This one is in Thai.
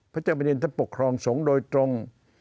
พระเจ้าบริณฑปกครองสงฆ์โดยตรง